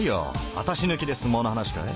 アタシ抜きで相撲の話かい？